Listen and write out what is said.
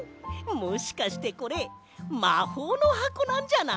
もしかしてこれまほうのはこなんじゃない？